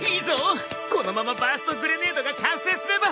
このままバーストグレネードが完成すれば。